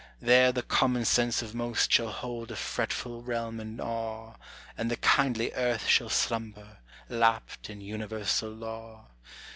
There the common sense of most shall hold a fretful realm in awe, And the kindly earth shall slumber, lapt in universal law.